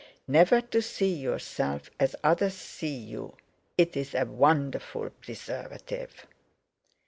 Never to see yourself as others see you, it's a wonderful preservative.